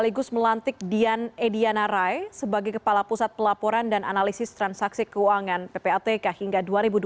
sekaligus melantik dian ediana rai sebagai kepala pusat pelaporan dan analisis transaksi keuangan ppatk hingga dua ribu dua puluh